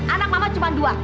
anak mama cuma dua